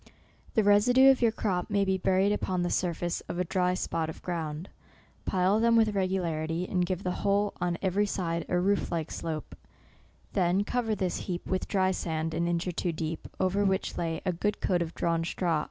The residue of your crop may be buried Upon the surface of a dry spot of ground; pile them with regularity, and give the whole on every side, a roof like slope 5 then cover this heap with dry sand, an inch or two deep, over which lay a good coat of drawn straw.